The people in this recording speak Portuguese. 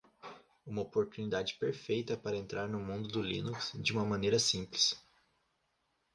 Uma oportunidade perfeita para entrar no mundo do Linux de uma maneira simples.